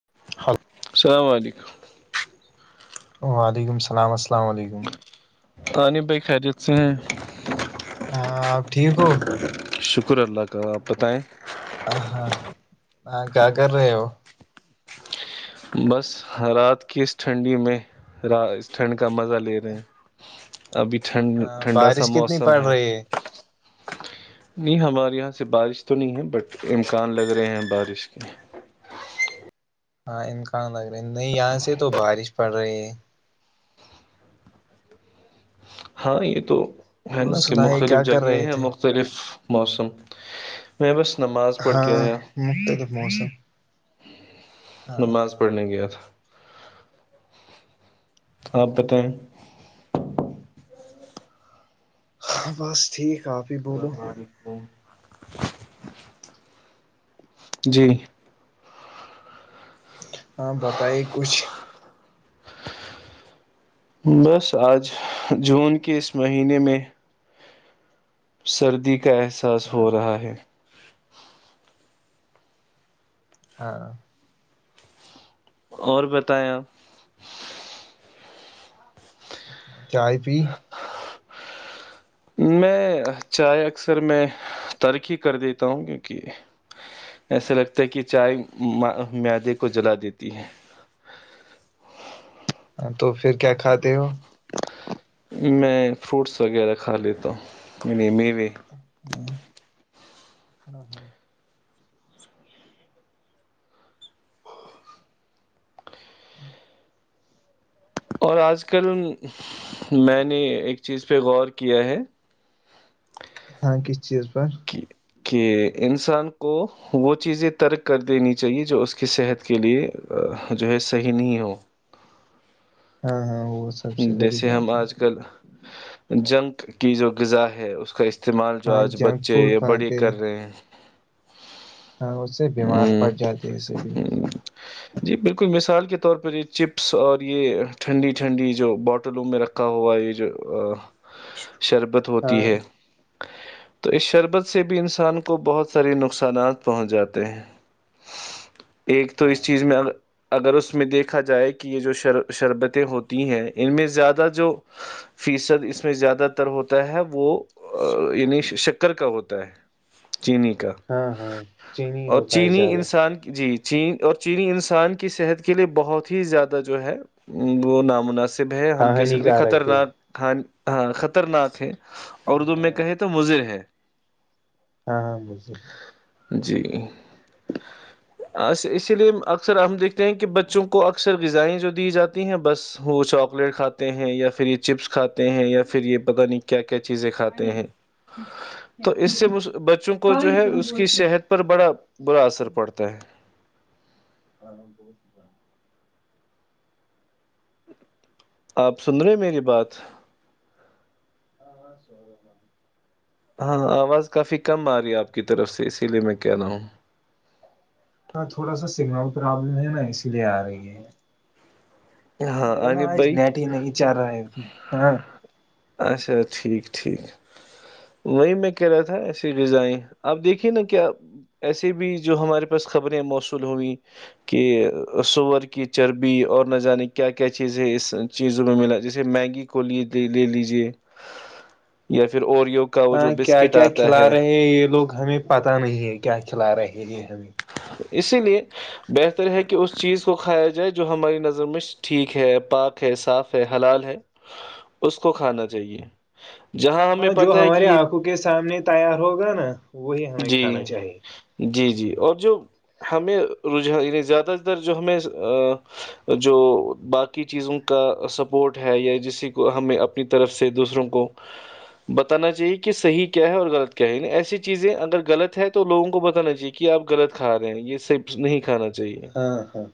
[unintelligible] السلام علیکم وعلیکم السلام السلام علیکم بھائی خجیت سے ہے ہاں آپ ٹھیک ہو شکر اللہ کا آپ بتائیں ہاں ہاں کیا کر رہے ہو بس رات کی اس ٹھنڈی میں اس ٹھنڈ کا مزہ لے رہے ہیں ابھی ٹھنڈ ہاں ٹھنڈا سا بارش کتنی موسم پڑ ہے رہی نہیں ہمارے یہاں سے بارش تو نہیں ہے بٹ امکان لگ رہے ہیں بارش کے ہاں امکان لگ رہا نہیں یہاں سے تو بارش پڑ رہی ہے ہاں یہ تو ہے اور نا کہ سنائے مختلف کیا کر جگہیں رہے ہیں تھے مختلف موسم میں بس نماز پڑھ کے ہاں آیا مختلف موسم ہاں نماز پڑھنے گیا تھا آپبتائ بس ٹھیک آپ ہی بولو اللام علیکم جی ہاں بتائیے کچھ بس آج جون کے اس مہینے میں سردی کے کا احساس ہاں ہو رہا ہے ہاں اور بت ہے آپ چائے پی میں چائے اکثر میں ترقی کر دیتا ہوں کیونکہ ایسا لگتا ہے کہ چائے میادے کو جلا دیتی ہے تو پھر کیا کھاتے ہو میں فروٹس وغیرہ کھا لیتا ہوں یعنی میوے ہاں ہاں اور آج کل میں نے ایک چیز پہ غور کیا ہے ہاں کس چیز پر کہ کہ انسان کو وہ چیزیں ترک کر دینی چاہیے جو اس کی صحت کے لیے جو ہے صحیح نہیں ہو ہاں ہاں سب سے بڑی جیسے ہم بات ہے آج کل جنک کی جو غذا ہے اس کا استعمال جو ہاں آج جنک بچے فوڈ یا بڑے کھاتے کر رہے ہیں ہاں اس سے بیمار پڑ ہ جاتے اسے بھی جی بالکل مثال کے طور پر یہ چپس اور یہ ٹھنڈی ٹھنڈی جو بوٹلوں میں رکھا ہوا یہ جو شربت ہاں ہوتی ہے تو اس شربت سے بھی انسان کو بہت ساری نقصانات پہنچ جاتے تو ایک تو ہاں اس چیز میں ا اگر اس میں دیکھا جائے کہ یہ جو شر شربتیں ہوتی ہیں ان میں زیادہ جو فیصد اس میں زیادہ تر ہوتا ہے وہ یعنی شکر کا ہوتا ہے چینی کا ہاں ہاں چین اور چینی انسان کی جی چینی اور چینی انسان کی صحت کے لیے بہت ہی زیادہ جو ہے وہ نامناسب بھی ہے ہم ہاں کہہ سکتے ہیں ہانیکارک ہے خطرناک تھھان ہاں خطرناک ہے ہاں اردو میں کہے تو مضر ہے ہاں ہاں مجر جی اسی لیے اکثر ہم دیکھتے ہیں کہ بچوں کو اکثر غذائیں جو دی جاتی ہیں بس وہ چاکلیٹ کھاتے ہیں یا پھر یہ چپس کھاتے ہیں یا پھرری یہ پتاہ نہیں کیا چیزیں کھاتے ہیں تو اس سے بچوں کو جو ہے اس کی صحت پر بڑا اثر پڑتا ہے ہ نام پچ پ آپ سن رہے میری بات ہاں ہاں سو رہے ہاں ہاں آواز کافی کم آ رہی ہے آپ کی طرف سے اسی لیے میں کہ رہ ہوں ہاں تھوڑا سا سگنل پرابلم ہے نا اسی لیے آ رہی ہے ہاں میرا نا انب آج بھائی نیٹ ہی نہیں چل رہا ہے انا ہاں اچھا ٹھیک ٹھیک وہی میں کہہ رہا تھا ایسی غذائیں آپ دیکھیے نا کیا ایسے بھی جو ہمارے پاس خبریں موصول ہوئئی کہ سور کی چربی اور نہ جانے کی کیا کیا چیزیں اس چیزوں میں ملا جیسے مینگی کو لیے لے لیجے یا پھر اور ہاں کیا کیا کھلا رہے ہیں یہ لوگ ہمیں پتا نہیں ہے کیا کھلا رہے ہیں ہمیں اسی لیے بہتر ہے کہ اس چیز کو کھایا جائے جو ہماری نظر میں ٹھیک ہے پاک ہے صاف ہے حلال ہے اس کو کھانا چاہیے جہاں ہمیں ہاں جو پتہ ہے کہ ہماری یہ آنکھوں کے سامنے تیار ہوگا نا وہی ہمیں کھانا جی چاہیے جی جی اور جو ہمیں رجحان یعنی زیادہ تر جو ہمیں جو باقی چیزوں کا سپورٹ ہے یا جسی کو ہمیں اپنی طرف سے دوسروں کو بتانا چاہیے کہ صحیح کیا ہے اور غلط کیا ہےعنی ایسی چیزیں اگر غلط ہے تو لوگوں کو بتانا چاہیے کہ آپ غلط کھا رہے ہیں یہ صرف نہیں کھاے ہاں ہاں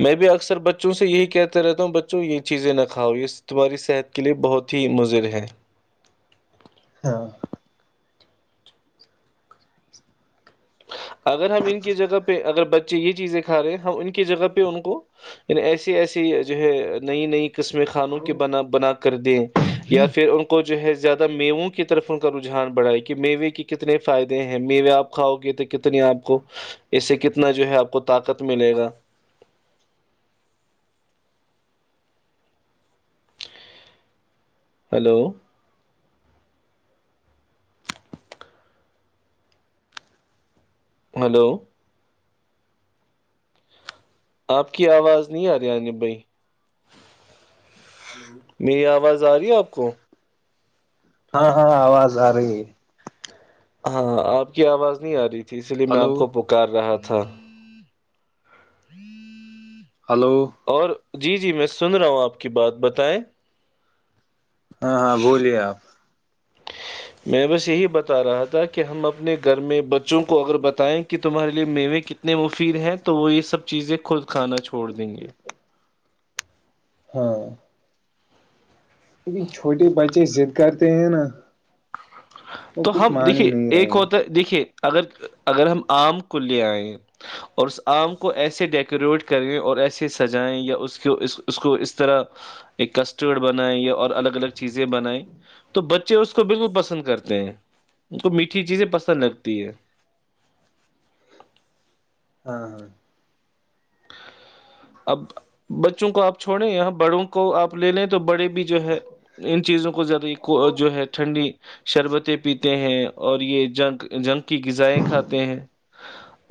میں بھی اکثر بچوں سے یہی کہتا رہتا ہوں بچوں یہ چیزیں نہ کھاؤ یہ تمہاری صحت کیلے بہت ہی مضر ہیں ہاں اگر ہم ان کی جگہ پہ اگر بچے یہ چیزیں کھا رہے ہیں ہم ان کی جگہ پہ ان کو ایسی ایسی جو ہے نئی نئی قسمیں خانوں کے بنا کر دیں جی یا پھر ان کو جو ہے زیادہ میووں کی طرف ان کا رجحان بڑھائے کہ میوے کے کتنے فائدے ہیں میوے آپ کھاؤ گے تو کتنی آپ کو اس سے کتنا جو ہے آپ کو طاقت ملے گا ہلو ہلو آپ کی آواز نہیں آ رہی جب بھائی ہی میری آواز آ رہی ہے آپ رک ہاں ہاں آواز آ رہی ہے ہاں آپ کی آواز نہیں آ رہی اس لیے میں ہلو آپ کو پکار رہا تھا [inaudible] ہلو اور جی جی میں سن رہا ہوں آپ کی بات بتائیں ہاں ہاں بولیے آپ میں بس یہی بتا رہا تھا کہ ہم اپنے گھر میں بچوں کو اگر بتائیں کہ تمہارے لے میوے کتنے مفید ہیں تو وہ یہ سب چیزیں خود کھانا چھوڑ دیں گے ہاں لیکن چھوٹے بچے ضد کرتے ہیں نا وہ تو کچھ ہم مان ہی دیکھیے نہیں ایک رہے ہوتا دیکھیے اگر اگر ہم آم کو لے آئیں اور اس آم کو ایسے ڈیکوریٹ کریں اور ایسے سجائیں یا اس کو اس اس کو اس طرح ایک کسٹرڈ بنائیں یا اور الگ الگ چیزیں بنائیں تو بچے اس کو بالکل پسند کرتے ہیں ان کو میٹھی چیزیں پسند لگتی ہے ہاں ہاں اب بچوں کو آپ چھوڑیں اں بڑوں کو آپ لے لیں تو بڑے بھی جو ہے ان چیزوں کو ذدہ کو جو ہے ٹھنڈی شربتیں پیتے ہیں اور یہ جنگ جنک کی غذائیں کھاتے ہیں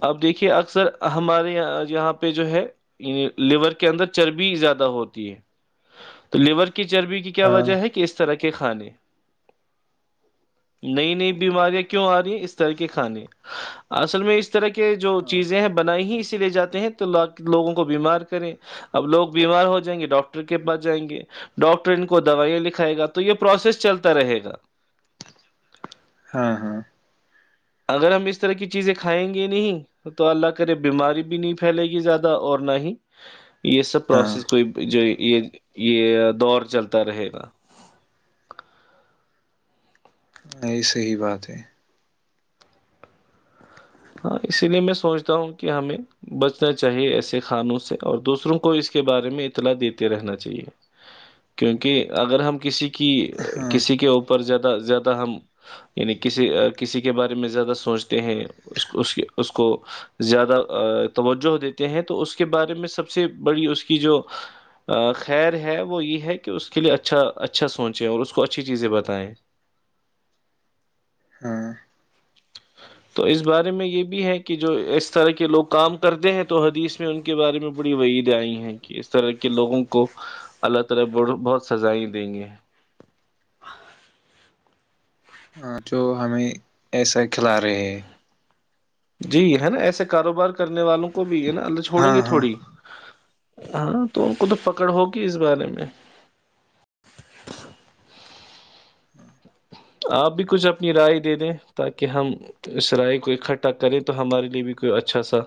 اب دیکھیے اکثر ہمارے یہ یہاں پہ جو ہے لیور کے اندر چربی زیادہ ہوتی ہے تو لیور کی کی چربی کی کیا ہاں وجہ ہے کہ اس طرح کی کے کھانے نئی نئی بیماریاں کیوں آ رہی ہیں اس طرح کے کھانے اصل میں اس طرح کے جو ہاں چیزیں ہیں بنائی ہی اس لے جاتے ہیں توووں کو بیمار کریں اب لوگ بیمار ہو جائیں گے ڈاکٹر کے پاس جائیں گے ڈاکٹر ان کو دوائیا لکھائے گا تو یہ پروسیس چلتا رہے گا ہاں ہاں اگر ہم اس طرح کی چیزیں کھائیں گے نہیں تو اللہ کرے بیماری بھی نہیں پھیلے گی زیادہ اور نہ ہی یہ سب ہاں پروسیز کوئی جو یہ یہ دور چلتا رہے گا ہ یہی صحی بات ہے ہاں اسی لیے میں سوچتا ہوں کہ ہمیں بچنا چاہیے ایسے خھانوں سے اور دوسروں کو اس کے بارے میں اطلاع دیتے رہنا چاہیے کیونکہ اگر ہم کسی کہ ہاں کسی کے اوپر جد زیادہ ہم یعنی کسی کسی کے بارے میں زیادہ سوچتے ہیں اس اس کی اس کو زیادہ توجہ دیتے ہیں تو اس کے بارے میں سب سے بڑی اس کی جو خیر ہے وہ یہ ہے کہ اس کے لیے اچھا اچھا سوچیں اور اس کو اچھی چیزیں بتائیں ہاں کام کرتے ہیں تو حدیث میں ان کے بارے میں ہاں جو ہمیں ایسا کھلا رہے ہیں جی ہے نا ایسے کاروبار کرنے والوں کو وہ بھی ہے نا اللہ چھوڑیں ہاں گے تھوڑی ہاں ہاں تو خ تو پکڑ ہوگی اس بارے میں آپ بھی کچھ اپنی رائے دے دیں تاکہ ہم اس رائے کو اکٹھا کریں تو ہمارے لیے بھی کوئی اچھا سا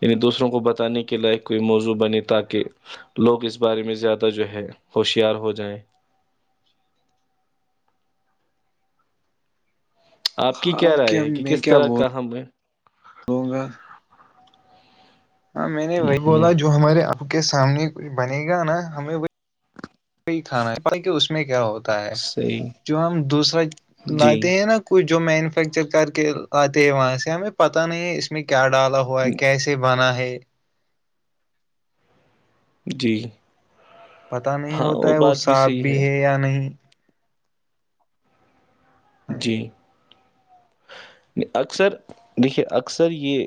یعنی دوسروں کو بتانے کے لائق کوئی موضوع بنے تاکہ لوگ اس بارے میں زیادہ جو ہے ہوشیار ہو جائیں آپ کی کیا اب رائے ہے کہ میں کس کیا طرح کا ہم میں بولوں گا ہاں میں نے وہی ہ بولا جو ہمارے آپ کے سامنے کچھ بنے گا نا ہمیں وہ وہئی کھانا ہے پ کہ اس میں کیا ہوتا تا ہے صحیح جو ہم دوسرا جی لاتے ہیں نا کچھ جو مینوفیکچر کر کے آتے ہیں وہاں سے ہمیں پتہ نہیں ہے اس میں کیا ڈالا ہوا ہے کیسے بنا ہے جی پتہ نہیں ہوتا ہے وہ صاف بھی ہے یا نہیں ہاں جی اکثر دیکھیے اکثر یہ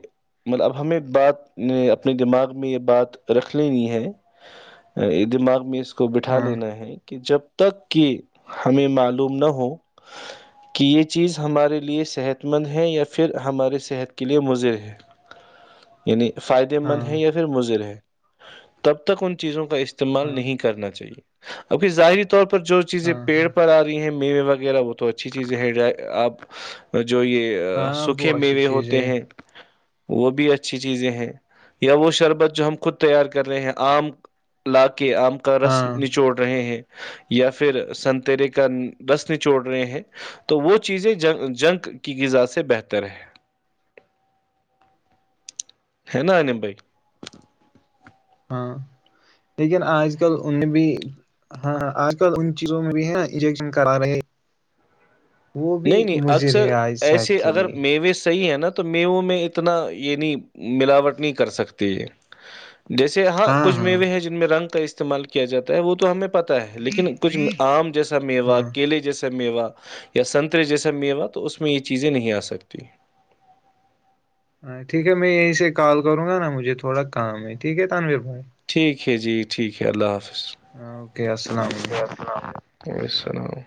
مطلب اب ہمیں بات اپنے دماغ میں یہ بات رکھ لینی ہے دماغ میں اس کو بٹھا ہاں لینا ہے کہ جب تک کہ ہمیں معلوم نہ ہو کہ یہ چیز ہمارے لیے صحت مند ہے یا پھر ہمارے صحت کے لیے مضر ہے یعنی فائدہ مند ہاں ہیں یا پھر مضر ہے تب تک ان چیزوں کا اس استعمال ہاں نہیں کرنا چاہیے اب کی ظاہر طور پر جو چیزیں ہاں پیڑ ہاں پر آ رہی ہیں می وغیرہ ہو اچھی چیزیں ہیں آپ جو یہ ہاں سوکھے وہ اچھی میوے چیز ہوتے ہے ہیں وہ بھی اچھی چیزیں ہیں یا وہ شربت جو ہم خود تیار کر رہے ہیں عام للا کے آم کا رس ہاں نچوڑ رہے ہیں یا پھر سنترے کا رسن چوڑ رہے ہیں تو وہ چیزیں جنک کی غذا سے بہتر ہے ہے نا انم بھائی ہاں لیکن آج کل ان بھی ہاں آج کل ان چیزوں میں بھی ہے انجیکشن کرا رہے وہ بھی نہیں نہیں مضر ہے اکثر آج صحت ایسے کے اگر لیے میوس صحی ہے نا تو میوو میں اتنا نہیں ملاوٹ نہیں کر سکتی یہ جیسے ہاں کچھ میوے ہیں جن میں رنگ کا استعمال کیا جاتا ہے وہ تو ہمیں پتا ہے لیکن کچھ آم جیسا میوا ہاں کیلے جیسا میوا [unintelligible] یا سنتر جیسا می ہوا تو اس میں یہ چیزیں نہیں آ سکتی ہاں ٹھیک ہے میں یہیں سے کال کروں گا نا مجھے تھوڑا کام ہے ٹھیک ہے تانویر بھائی ٹھیک ہے جی ٹھیک ہے اللہ حافظ ہ اوکے السلام علیکم و السلام